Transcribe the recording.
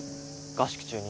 合宿中に。